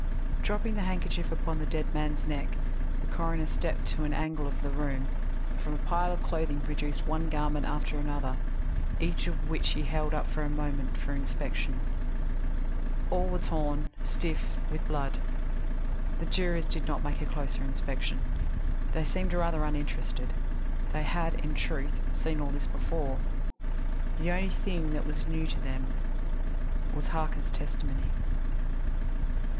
Dropping the handkerchief upon the dead man's neck, the coroner stepped to an angle of the room, and from a pile of clothing produced one garment after another, each of which he held up a moment for inspection. All were torn, and stiff with blood. The jurors did not make a closer inspection. They seemed rather uninterested. They had, in truth, seen all this before; the only thing that was new to them being Harker's testimony.